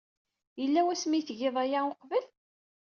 Yella wasmi ay tgiḍ aya uqbel?